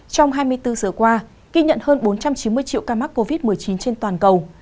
trong hai mươi bốn giờ qua ghi nhận hơn bốn trăm chín mươi triệu ca mắc covid một mươi chín trên toàn cầu